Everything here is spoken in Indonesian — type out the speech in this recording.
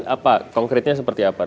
apa konkretnya seperti apa